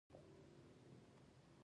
شور پورته شي او ما د باندې وباسي.